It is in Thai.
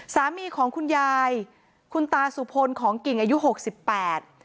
สามีของคุณยายคุณตาสุพลของกิ่งอายุหกสิบแปด